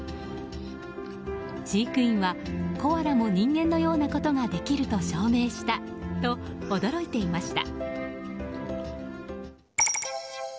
飼育員はコアラも人間のようなことができると証明したと驚いていました。